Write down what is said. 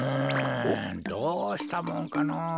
うんどうしたもんかのぉ。